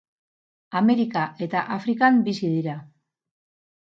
Amerika eta Afrikan bizi dira.